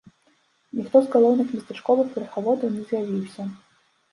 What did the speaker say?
Ніхто з галоўных местачковых верхаводаў не з'явіўся.